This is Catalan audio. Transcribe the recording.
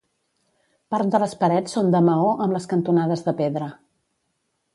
Part de les parets són de maó amb les cantonades de pedra.